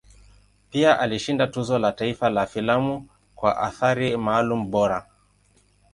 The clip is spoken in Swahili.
Pia alishinda Tuzo la Taifa la Filamu kwa Athari Maalum Bora.